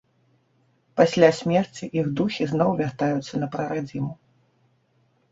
Пасля смерці іх духі зноў вяртаюцца на прарадзіму.